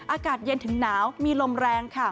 อากาศเย็นถึงหนาวมีลมแรงค่ะ